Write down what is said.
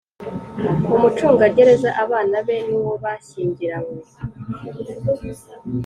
Umucungagereza abana be n uwo bashyingiranywe